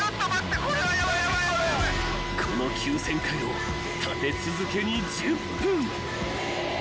［この急旋回を立て続けに１０分］